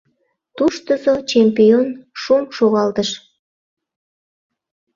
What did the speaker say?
— «туштызо чемпион» шум шогалтыш.